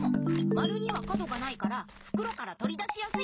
まるには角がないからふくろからとり出しやすい。